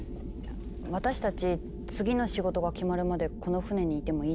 私たち次の仕事が決まるまでこの船にいてもいいですか？